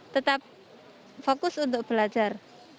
tetap fokus untuk belajar